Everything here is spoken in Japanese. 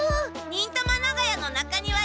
忍たま長屋の中庭で。